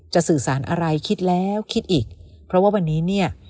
สื่อสารอะไรคิดแล้วคิดอีกเพราะว่าวันนี้เนี่ย